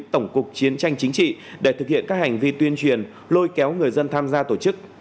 tổng cục chiến tranh chính trị để thực hiện các hành vi tuyên truyền lôi kéo người dân tham gia tổ chức